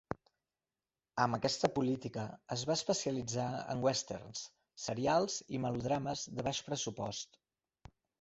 Amb aquesta política, es va especialitzar en westerns, serials i melodrames de baix pressupost.